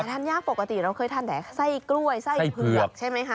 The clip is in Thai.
ทานยากปกติเราเคยทานแต่ไส้กล้วยไส้เผือกใช่ไหมคะ